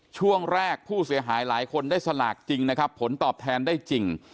ช่วงแรกผู้เสียหายหลายคนได้สลากจริงนะครับผลตอบแทนได้จริง